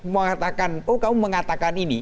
mengatakan oh kamu mengatakan ini